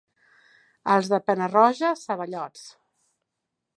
Els de Pena-roja, ceballots.